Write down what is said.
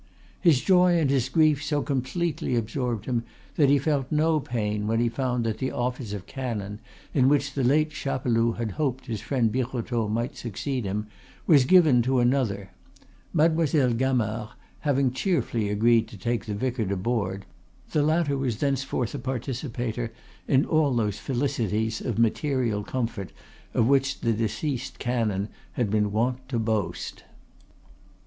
His joy and his grief so completely absorbed him that he felt no pain when he found that the office of canon, in which the late Chapeloud had hoped his friend Birotteau might succeed him, was given to another. Mademoiselle Gamard having cheerfully agreed to take the vicar to board, the latter was thenceforth a participator in all those felicities of material comfort of which the deceased canon had been wont to boast.